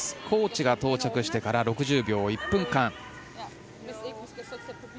コーチが到着してから６０秒、１分間。